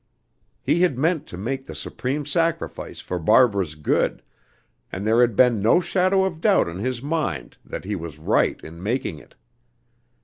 He had meant to make the supreme sacrifice for Barbara's good, and there had been no shadow of doubt in his mind that he was right in making it.